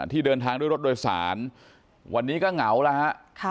ที่เดินทางด้วยรถโดยสารวันนี้ก็เหงาแล้วฮะ